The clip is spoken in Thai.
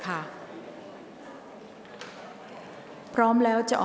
ออกรางวัลเลขหน้า๓ตัวครั้งที่๒